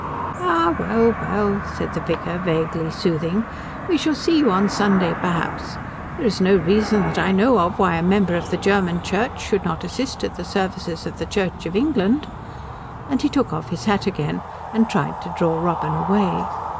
"Ah well, well," said the vicar, vaguely soothing. "We shall see you on Sunday perhaps. There is no reason that I know of why a member of the German Church should not assist at the services of the Church of England." And he took off his hat again, and tried to draw Robin away.